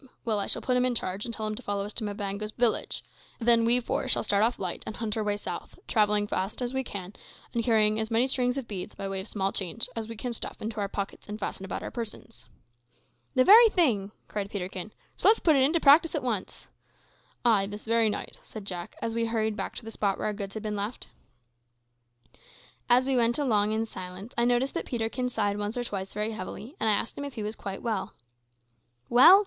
Well, I shall put him in charge, and tell him to follow us to Mbango's village; then we four shall start off light, and hunt our way south, travelling as fast as we can, and carrying as many strings of beads, by way of small change, as we can stuff into our pockets and fasten about our persons." "The very thing," cried Peterkin. "So let's put it in practice at once." "Ay, this very night," said Jack, as we hurried back to the spot where our goods had been left. As we went along in silence I noticed that Peterkin sighed once or twice very heavily, and I asked him if he was quite well. "Well?